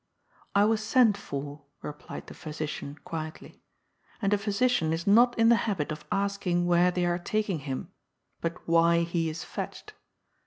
" I was sent for," replied the physician quietly. " And a physician is not in the habit of asking where they are taking him, but why he is fetched."